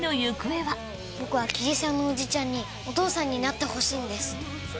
僕は、桐沢のおじちゃんにお父さんになってほしいんです。